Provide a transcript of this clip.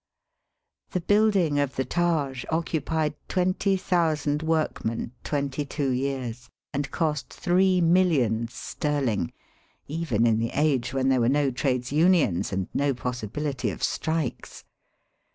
The building of the Taj occupied twenty thousand workmen twenty two years, and cost three roillions sterling, even in the age when there were no trades unions and no possibility of strikes.